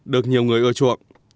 được nhiều người ưa chuộng